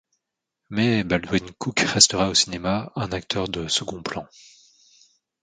Mais Baldwin Cooke restera au cinéma un acteur de second plan.